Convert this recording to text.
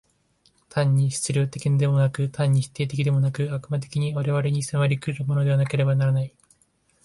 単に質料的でもなく、単に否定的でもなく、悪魔的に我々に迫り来るものでなければならない。